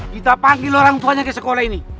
kita panggil orang tuanya ke sekolah ini